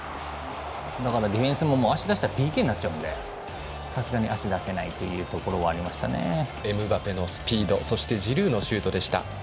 だから、ディフェンスも足を出したらＰＫになっちゃうんでさすがに足を出せないというエムバペのスピードそして、ジルーのシュートでした。